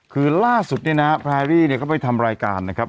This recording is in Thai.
คือล่าสุดเนี่ยนะแพรรี่เนี่ยก็ไปทำรายการนะครับ